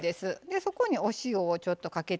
そこにお塩をちょっとかけて。